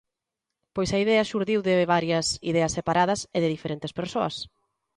Pois a idea xurdiu de varias ideas separadas e de diferentes persoas.